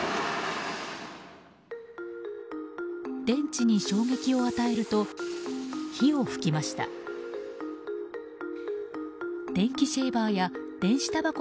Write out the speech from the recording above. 電池に衝撃を与えると火を噴きました。